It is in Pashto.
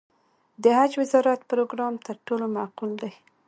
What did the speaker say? د حج وزارت پروګرام تر ټولو معقول دی.